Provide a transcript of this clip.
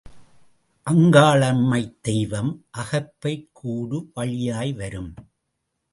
அங்காளம்மைத் தெய்வம் அகப்பைக் கூடு வழியாய் வரும்.